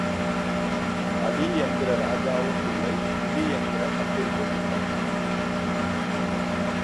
அடி என்கிற ராஜாவும் இல்லை பிடி என்கிற மந்திரியும் இல்லை.